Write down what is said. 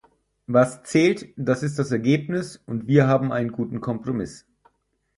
Was zählt, das ist das Ergebnis, und wir haben einen guten Kompromiss.